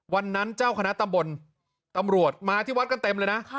วันนั้นเจ้าคณะตำบลตำรวจมาที่วัดกันเต็มเลยนะ